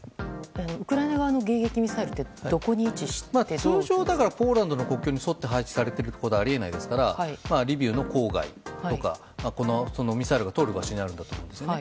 ウクライナ側の迎撃ミサイルというのは通常、ポーランドの国境に沿って配置されていることはあり得ないですからリビウの郊外とかミサイルが通る場所にあると思うんですね。